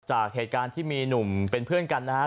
จากเหตุการณ์ที่มีหนุ่มเป็นเพื่อนกันนะครับ